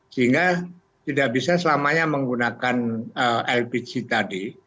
sehingga tidak bisa selamanya menggunakan lpg tadi